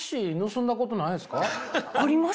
あります？